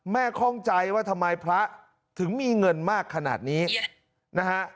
ข้องใจว่าทำไมพระถึงมีเงินมากขนาดนี้นะฮะ